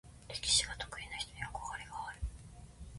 歴史が得意な人に憧れがある。